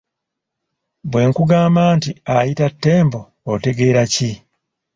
Bwe nkugamba nti ayita Ttembo otegeera ki?